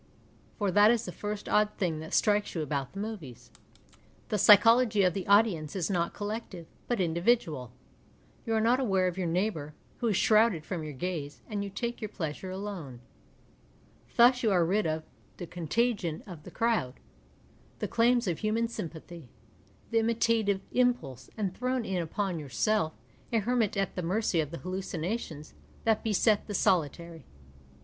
For that is the first odd thinfj that strikes you about the movies ; the psychology of the audience is not collective, but individual. You are not aware of yoin neighbour, who is shrouded from your gaze, aiul you take your pleasure alone. Thus you are rid of the " contagion of the crowd," the claims of human sympathy, the imitative impulse, and thrown in upon yourself, a hermit at the mercy of the hallucinations that beset the soli tary.